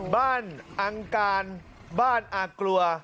อังการบ้านอากลัว